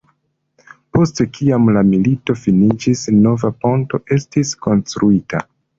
Post kiam la milito finiĝis, nova ponto estis konstruita.